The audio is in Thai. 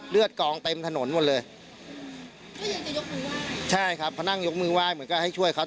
กองเต็มถนนหมดเลยใช่ครับเขานั่งยกมือไหว้เหมือนก็ให้ช่วยเขา